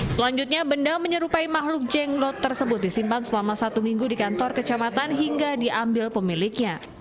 selanjutnya benda menyerupai makhluk jenglot tersebut disimpan selama satu minggu di kantor kecamatan hingga diambil pemiliknya